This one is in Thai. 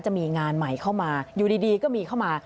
จะมีงานใหม่เข้ามาอยู่ดีก็มีเข้ามา